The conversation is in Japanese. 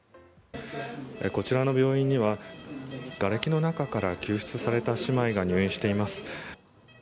こちらの病院にはがれきの中から救出された姉妹が入院しています。